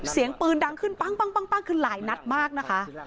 เสียงปืนดังขึ้นปั้งคือหลายนัดมากนะคะ